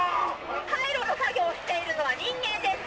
廃炉の作業をしているのは人間です。